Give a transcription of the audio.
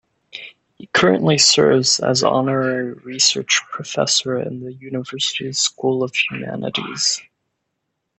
He currently serves as Honorary Research Professor in the University's School of Humanities.